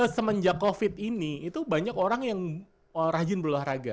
semenjak covid ini itu banyak orang yang rajin berolahraga